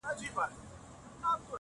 ژوند همدا دی